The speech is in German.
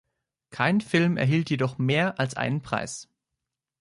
Kein Film erhielt jedoch mehr als einen Preis.